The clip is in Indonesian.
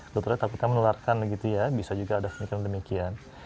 sebetulnya takutnya menularkan gitu ya bisa juga ada semikiran demikian